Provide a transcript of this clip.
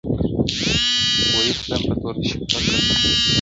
بويي تلم په توره شپه کي تر کهساره-